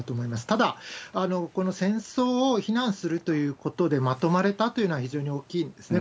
ただ、この戦争を非難するということでまとまれたというのは非常に大きいですね。